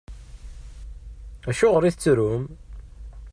Acuɣeṛ i tettrum?